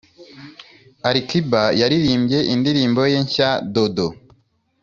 ali kiba yaririmbye indirimbo ye nshya “dodo”